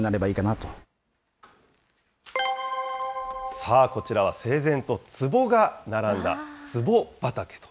さあ、こちらは整然とつぼが並んだ、つぼ畑と。